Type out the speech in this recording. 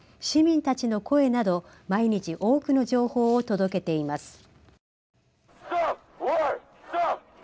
市民たちの声など毎日多くの情報を届けています。